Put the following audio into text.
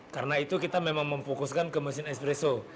karena itu kita memang memfokuskan ke mesin espresso